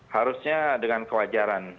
harusnya dengan kewajaran